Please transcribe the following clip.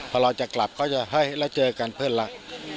พอเราจะกลับก็จะให้แล้วเจอกันเพื่อนรัก